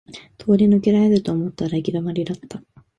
通り抜けられると思ったら行き止まりだった